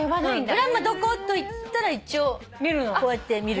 グランマどこ？と言ったら一応こうやって見る。